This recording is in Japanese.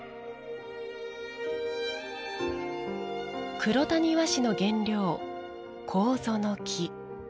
黒谷和紙の原料楮の木。